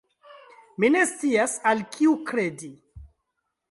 Ni ne scias, al kiu kredi.